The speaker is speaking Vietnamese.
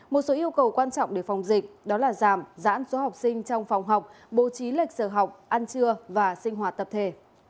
một số yêu cầu quan trọng để phòng dịch đó là giảm giãn số học sinh trong phòng học bố trí lệch giờ học ăn trưa và sinh hoạt tập thể